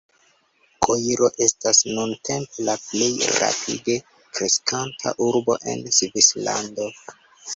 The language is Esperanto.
Koiro estas nuntempe la plej rapide kreskanta urbo en Svislando.